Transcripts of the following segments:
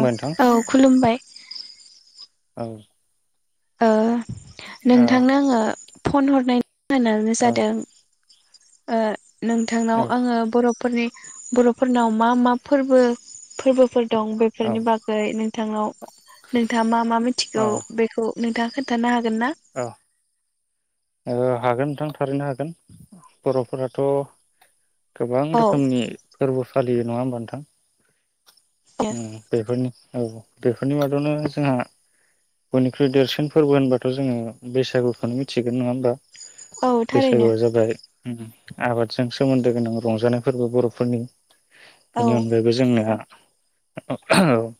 औ नोंथां औ खुलुमबाय। औ ओ औ नोंथांनो आङो फन हरनाय होनानो औ जादों ओ नोंथांनाव औ आङो बर' फोरनि बरफोरनाव मा मा फोरबो फोरबोफोर दं औ बेफोरनि बागै नों थांङाव नोंथाङा मा मा मिथिगौ औ बेखौ नोंथाङा खोन्थानो हा गोन ना? ओ हागोन नोंथां थारैनो हागोन बर'फोराथ' गोबां औ रोखोमनि फोरबो फालियो नङा होमबा नोंथां ओ बेफोरनि औ बेफोरनि मादावनो जोंहा बयनिख्रुइ देरसिन फोरबो होनबा थ जोङो बैसागुखौनो मिथिगोन नङा होमबा औ थारैनो बैसागोया जाबाय ओम आबादजों सोमोन्दो गोनां रंजानायफोरबो बर'फोरनि औ बेनि अनगायैबो जोंनिया [unintelligible]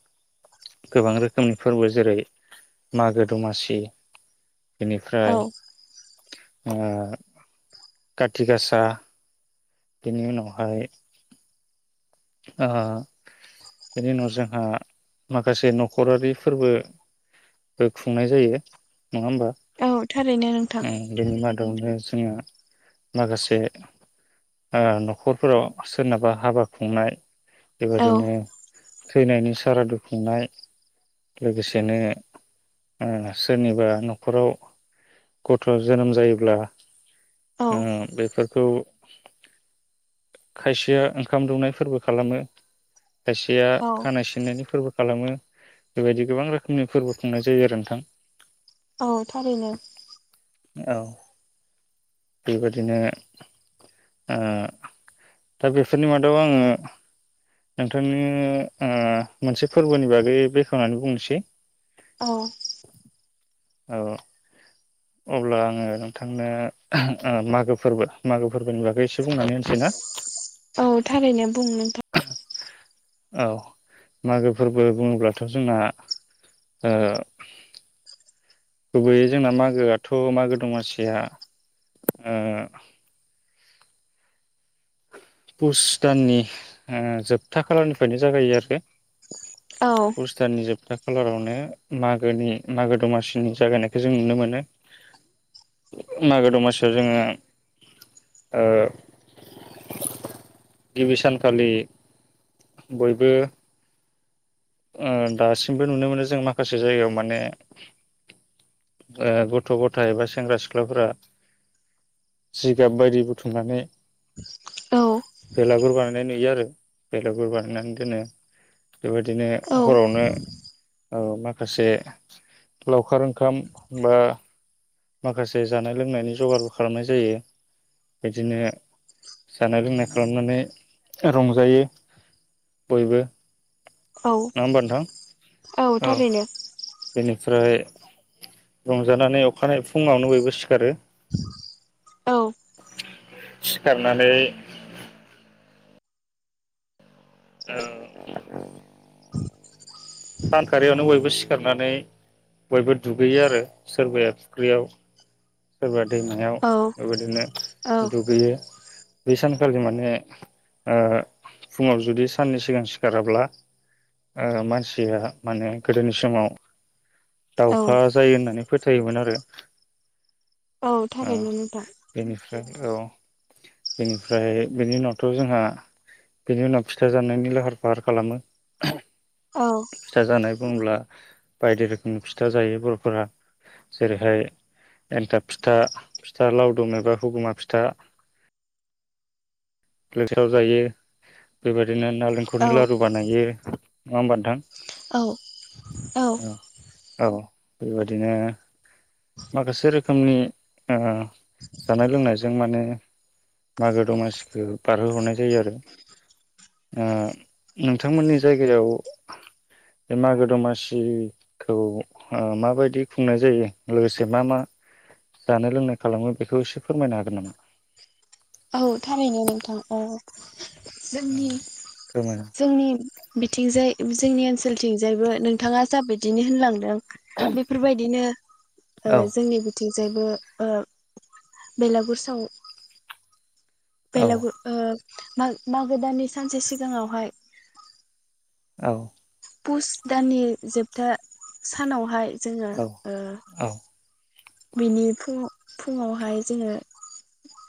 गोबां रोखोमनि फोरबो जेरै मागो दमासि औ बेनिफ्राय ओ खाथि गासा बेनि उनावहाय ओ बेनि उनाव जोंहा माखासे नखरारि फोरबोबो खुंनाय जायो नङा होमबा औ थारैनो नोंथां ओ बेनि मादावनो जोङो माखासे ओ नखरफोराव सोरनाबा हाबा खुंनाय औ बेबादिनो थैनायनि सारादु खुंनाय लोगोसेनो ओ सोरनिबा नखराव गथ'जोनोम जायोब्ला औ ओ बेफोरखौ खायसेया ओं खाम दौनाय फोरबो खालामो । खायसेया औ खानाय सिननायनि फोरबो खालामो । बेबायदि गोबां रो खोमनि फोरबो खुंनाय जायो आरो नोंथां । औ थारैनो ‌। औ । बेबायादिनो ओ दा बे फोरनि मादाव आङो नोंथांनो ओ मोनसे फोरबोनि बागै बेखेवनानै बुंनोसै । औ औ । अब्ला आङो नोंथांनो ओ मागो फोरबो मागो फोरबोनि बागै एसे बुंनानै होनसै ना? औ थारैयनो बुं नोंथां । औ मागो फोरबो बुङोब्लाथ' जोंना ओ गुबैयै जोंना मागोआथ' मागो दमासिया ओ पुस दाननि ओ जोबथा खालारनिफ्रायनो जागायो आरो औ पुस दाननि जोबथा खालारावनो मागोनि मागो दमासिनि जागायनायखौ जों नुनो मोनो मागो दमासियाव जोङो ओ। गिबि सानखालि बयबो ओ दासिमबो नुनो मोनो जों, माखासे जायगायाव माने। ओ गथ' गथाइ एबा सेंग्रा सिख्लाफोरा जिगाब बायदि बुथुमनानै औ। बेलागुर बानायनाय नुयो आरो बेलागुर बानायनानै दोनो । बेबायदिनो औ हरावनो ओ मा खासे लावखार ओंखाम बा माखासे जानाय लोंनायनि जगारबो खालामनाय जायो । बिदिनो जानाय लोंनाय खालामनानै रंजायो बयबो। औ नङा होमबा नोंथां औ थारैनो । बेनिफ्राय रंजानानै अखानायै फुङावनो बयबो सिखारो। औ। सिखारनानै औ। सानखारियावनो बयबो सिखारनानै बयबो दुगैयो आरो सोरबाया फुख्रियाव। सोरबा दैमायाव औ बेबायदिनो औ दुगैयो ‌। बे सानखालि माने ओ फुङाव जुदि साननि सिगां सिखाराब्ला, ओ मानसिया माने गोदोनि समाव औ दाव'खा जायो होनानै फोथायोमोन आरो। औ थारैनो नोंथां बेनिफ्राय । औ बेनिफ्राय बेनि उनावथ' जोंहा बेनि उनाव फिथा जानायनि लाहार फाहार खालामो। औ फिथा जानाय बुंब्ला बायदि रोखोमनि फिथा जायो बर'फोरा । जेरैहाय एनथाब फिथा, फिथा लावदुम एबा हगुमा फिथा लोगोसेव जायो । बेबाय बिओदिनो औ नारेंखलनि लारु बानायो। नङा होमबा नोंथां? औ -औ-। बेबादिनो माखासे रोखोम। रोखोमनि ओ जानाय लोंनायजों माने मागो दमासिखौ बारहोहरनाय जायो आरो। ओ नोंथांमोननि जायगायाव बे मागो दमासिखौ माबायदि खुंनाय जायो लोगोसे मा मा जानाय लोंनाय खालामो बेखौ एसे फोरमायनो हागोन नामा? औ थारैनो नोंथां औ। औ जोंनि फोरमायना जोंनि। बिथिंजाय जोंनि ओनसोलथिंजायबो नोंथाङा जाबायदिनो होनलांदों‌। बेफोरबायदिनो। ओ औ जोंनि। आथिंजायबो ओ बेलागुर साव। औ बेलागु ओ। माग मागो दाननि सानसे सिगाङावहाय। औ। पुस दाननि जोबथा सानावहाय। जोङो औ ओ। औ बिनि फुंङाव फुङावहाय जोङो।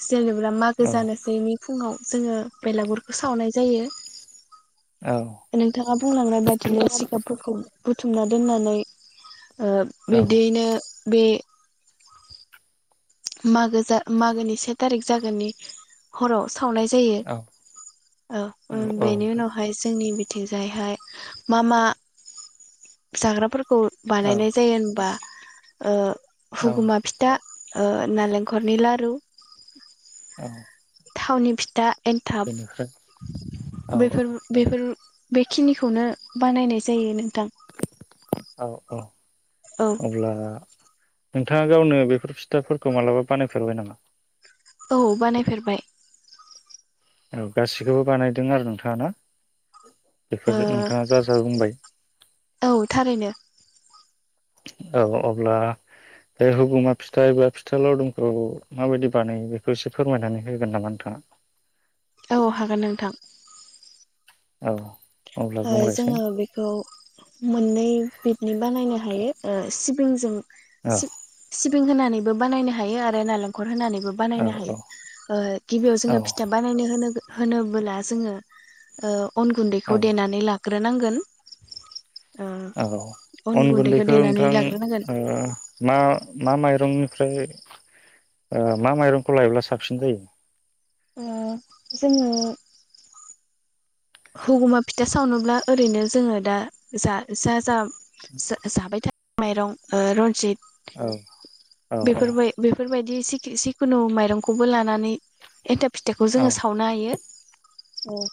जेनेब्रा मागो औ जानोसै मि फुङाव जोङो बेलागुरखौ सावनाय जायो। औ नोंथाङा बुंलांनाय बादिनो सिखाबफोरखौ। बुथुमना दोननानै। ओ बिब्दियैनो। बे। मागो जा मागोनि से थारिख जागोननि हराव। सावनाय जायो, औ औ उ औ बेनि नोंथां उनावहाय जोंनि मि बिथिंजायहाय मा मा जाग्राफोरखौ। बानायनाय जायो होनबा। ओ। औ हुगुमा फिथा। ओ नारेंखलनि लारु। औ‌। थावनि फिथा। एन्थाब औ बेफोर बेफोर। बेखिनिखौनो बानायनाय जायो नों औ औ। औ अब्ला नोंथाङा गावनो बेफोर फिथाफोरखौ मालाबा बानायफेरबाय नामा? औ बानायफेरबाय। औ गासिखौबो बानायदों आरो नोंथाङा ना? ओ बेफोर नोंथाङा जा जा बुंबाय। औ थारैनो औ अब्ला बे हुगुमा फिथा एबा फिथा लावदुमखौ माबायदि बानायो बेखौ एसे फोरमायनानै होगोन नामा नोंथाङा? औ हागोन नोंथां। औ। अब्ला ओ बुंलायसै जोङो बेखौ मोननै बिदनि बानायनो हायो। ओ सिबिंजों औ सि सि बिं होनानैबो बानायनो हायो आरो नालेंखर होनानै। बो औ बानायनो हायो। गिबियाव ओ औ जोङो फिथा बानायनो होनो होनोबोला जोङो ओ अन गुन्द औ खौ देनानै ला ग्रोनांगोन। औ अन गुन्दैखौ देनानै नोंथां लाग्रोनांगोन ओ मा मा माइरंनिफ्राय ओ मा माइरंखौ लायोब्ला साबसिन जायो? ओ जोङो हुगुमा फिथा सावनोब्ला ओरैनो जोङो दा जा जा जा जाबाय थायो माइरं ओ रनजित औ। औ बेफोरबाय बेफोरबायदि। बि जिखुनु माइरंखौबो लानानै एन्थाब फिथाखौ औ जोङो सावनो हायो। औ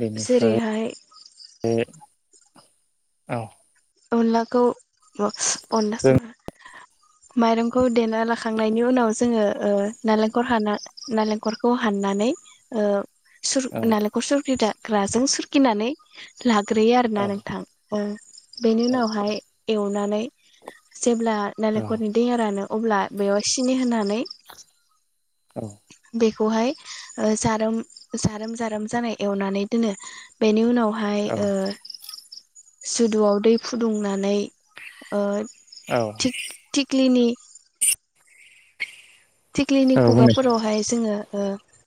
बेनिफ्राय जेरैहाय। बे औ। अनलाखौन र जों अनलाखौनो, माइरंखौ देना लाखांनायनि उनाव जोङो नालेंखर हाना नालेंखरखौ हाननानै सोर औ नालेंखर सोरगिदाग्राजों खिनानै ला ग्रोयो औ आरोना नोंथां। औ। बेनि औ उनावहाय नोंथां एवनानै नै जेब्ला औ नालेंखरनि दैया रानो। अब्ला बेयाव सिनि होना औ [unintelligible] बेवहाय जारोम जारोम जारोम जानाय एवनानै दोनो बेनि उनाव औ हायो ओ [unintelligible] दै फुदुंनानै ओ थिक थिक्लिनि। थिख्लिनि औ बुंनायसाय खुगाफोरावहाय जोङो। [unintelligible]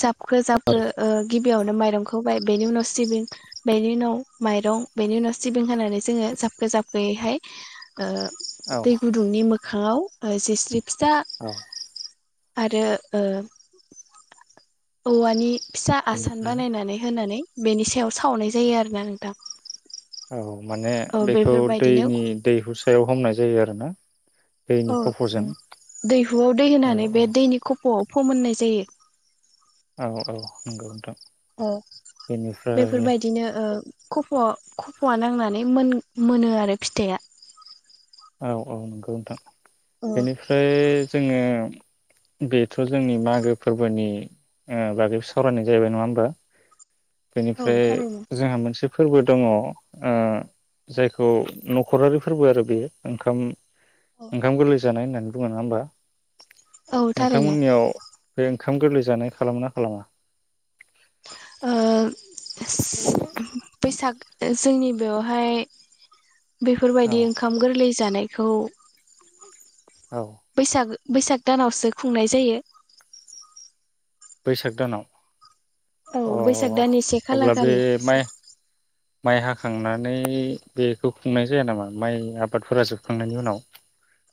जाबखो जाबखो ओ गिबियावनो माइरंखौ होबाय, बेनि उनाव सिबिं, बेनि उनाव माइरं बेनि उनाव सिबिं होनानै जोङो जाबखो जाबखोयैहाय ओ औ दै गुदुंनि मो खाङाव ओ जिस्रि फिसा औ। आरो ओ औवानि फिसा आसान बेनिफ्राय बानायनानै होनानै बेनि सायाव सावनाय जायो आरोना नोंथां। औ औ माने औ बेखौ बेफोरबायदिनो दैनि दैहु सायाव हमनाय जायो आरो ना? औ औ दैहुआव दै औ होनानै औ बे दैनि खफ'आव फोमोननाय जायो। औ औ नंगौ नोंथां बेनिफ्राय खफ' खफ'आ नांनानै मोन-मोनो आरो फिथाया औ औ नंगौ नोंथां। बेनिफ्राय जोङो बेथ' जोंनि मागो फोरबोनि ओ बागै सावरायनाय जाहैबाय नङा ओमबा? औ बेनिफ्राय थारैनो जोंहा मोनसे फोरबो दङ ओ जायखौ न'खरारि फोरबो आरो बेयो। ओंखाम ओखाम गोरलैस जानाय होननानै बुङो नङा ओमबा? औ थारैनो नोंथांमोननियाव बे ओंखाम गोरलै जानाय खालामो ना खालामा? ओ सि बैसाग ओ जोंनि बेवहाय औ बेफोरबायदि ओंखाम गोरलै जानायखौ औ बैसागो बैसाग दानावसो खुंनाय जायो। बैसाग दानाव औ अ बैसाग दाननि से खालार अब्ला बे खालि। माइ माइ हाखांनानै बेखौ खुंनाय जाया नामा माइ आबादफोरा जोबखांनायनि उनाव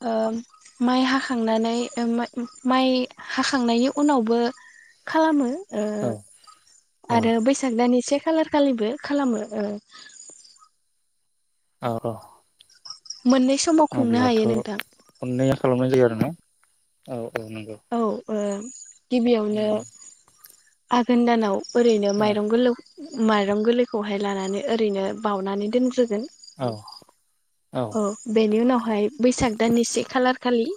ओम माइ हाखांनानै माइ हाखांनायनि उनावबो खालामो। ओ औ औ आरो बैसाग दाननि से खालार खालिबो खालामो ओ औ मोननै समाव खुंनो अब्लाथ' हायो नोंथां खननैया खालामनाय जायो आरो ना औ औ नंगौ औ ओ गिबियावनो उम आघोन दानाव ओरैनो औ माइरं गोलौ माइरं गोरलैखौहाय लानानै ओरैनो बाउनानै दोनग्रो औ औ बेनि उनाव ओहाय बैसाग दान एसे खालार खालि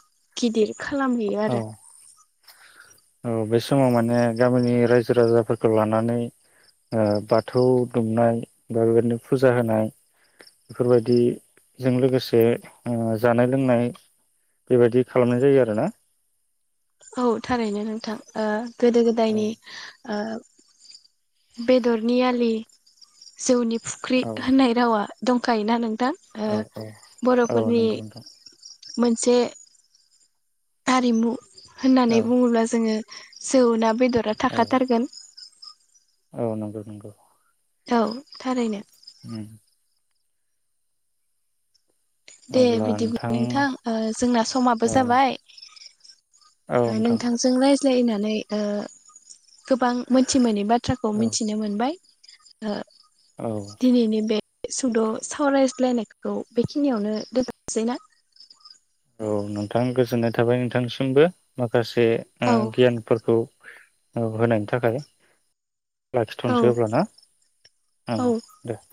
गिदिर खालामहैयो औ आरो औ बे समाव माने गामिनि रायजो राजाफोरखौ लानानै बाथौ दुमनाय बा बेबायदिनो फुजा होनाय बेफोरबायदिजों लोगोसे ओ जानाय लोंनाय बेबायदि खालामनाय जायो आरोना थारैनो नोंथां ओ गोदो औ गोदायनि ओ बेदरनि आलि जौनि फुख्रि होननाय रावा दंखायो ना नों औ औ औ नंगौ नोंथां मोनसे हारिमु होननानै औ बुङोब्ला जोङो जौ ना बेद बेदरा औ थाखाथारगोन औ नंगौ नंगौ औ थारैनो हुम दे बिदिबो नोंथां ओ जोंना समाबो औ जाबाय औ ओ नोंथां नोंथांजों रायज्लायनानै ओ गोबां मोनथि मोनि बाथ्राखौ औ मिथिनो मोनबाय ओ औ दिनैनि बे सुद' सावरायज्लायनायखौ बेखि खिनियावनो दोननोसै ना औ नोंथां गोजोननाय थाबाय नोंथांनिसिमबो माखासे ओ औ गियानफोरखौ औ होनायनि थाखाय औ लाखिथ'नोसै अब्ला ना औ दे ।